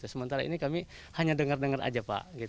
sementara ini kami hanya dengar dengar saja